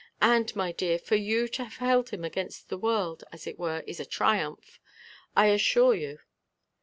And, my dear, for you to have held him against the world, as it were, is a triumph, I assure you.